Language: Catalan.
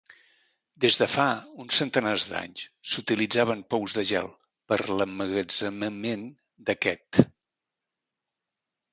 Des de fa uns centenars d'anys s'utilitzaven pous de gel per a l'emmagatzemament d'aquest.